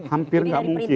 hampir gak mungkin